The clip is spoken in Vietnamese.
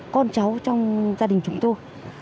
con cháu trong gia đình chúng tôi